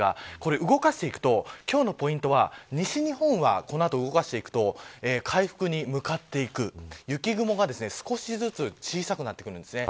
動かしていくと今日のポイントは西日本は動かしていくと回復に向かっていく雪雲が少しずつ小さくなります。